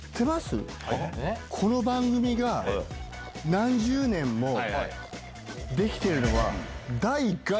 この番組が何十年もできてるのは。